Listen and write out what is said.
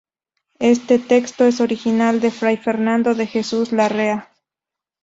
Este texto es original de Fray Fernando de Jesús Larrea.